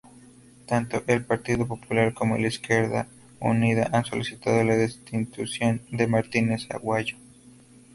Tanto el Partido Popular como Izquierda Unida han solicitado la destitución de Martínez Aguayo.